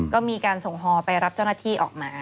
ก็มีการส่งฮอไปรับเจ้าหน้าที่ออกมา